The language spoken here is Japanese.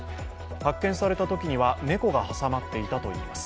発見されたときには猫が挟まっていたといいます。